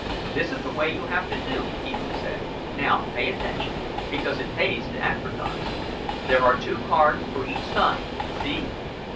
"This is the way you have to do," Pee wee said; "now pay attention, because it pays to advertise. There are two cards for each sign, see?"